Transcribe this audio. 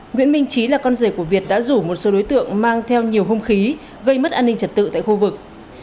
nguyễn minh trí là con rể của việt đã rủ một số đối tượng mang theo nhiều hung khí gây mất an ninh trật tự tại khu vực